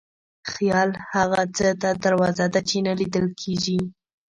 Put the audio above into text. خیال هغه څه ته دروازه ده چې نه لیدل کېږي.